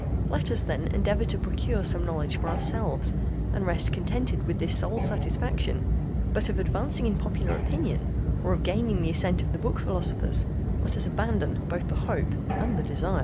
Let us, then, endeavour to procure some knowledge for ourselves, and rest contented with this sole satisfaction; but of advancing in popular opinion, or of gaining the assent of the book philosophers, let us abandon both the hope and the desire."